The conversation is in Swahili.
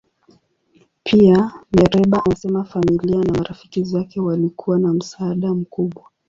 Pia, Mereba anasema familia na marafiki zake walikuwa na msaada mkubwa.